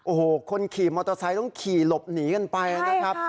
โอ้โหคนขี่มอเตอร์ไซค์ต้องขี่หลบหนีกันไปนะครับ